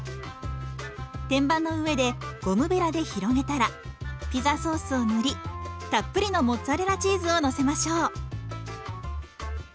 天板の上でゴムべらで広げたらピザソースを塗りたっぷりのモッツァレラチーズをのせましょう。